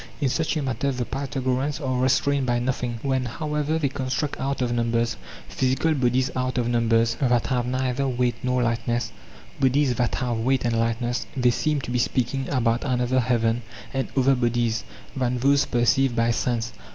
In such a matter the Pythagoreans are restrained by nothing ; when, however, they construct out of numbers physical bodies—out of numbers that have neither weight nor lightness, bodies that have weight and light ness—they seem to be speaking about another heaven and other bodies than those perceived by sense.